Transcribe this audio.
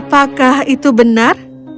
apakah itu benar